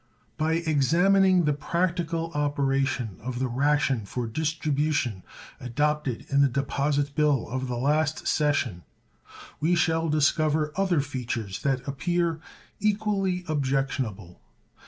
By examining the practical operation of the ration for distribution adopted in the deposit bill of the last session we shall discover other features that appear equally objectionable.